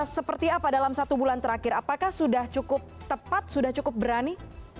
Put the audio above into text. seperti apa dalam satu bulan terakhir apakah sudah cukup tepat sudah cukup berani